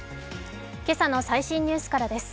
今朝の最新ニュースからです。